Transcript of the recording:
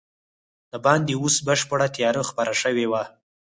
دباندې اوس بشپړه تیاره خپره شوې وه.